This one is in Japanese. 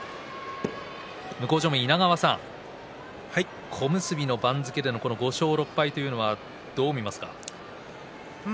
向正面、稲川さん３本小結の番付での５勝６敗どう見ますか。